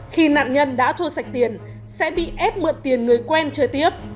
khi nạn nhân đã thua sạch tiền sẽ bị ép mượn tiền người quen chơi tiếp